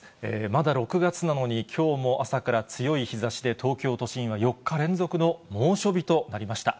まだ６月なのに、きょうも朝から強い日ざしで、東京都心は４日連続の猛暑日となりました。